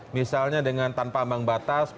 misalnya dengan tanpa ambang batas